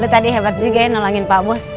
lo tadi hebat juga ya nolongin pak bos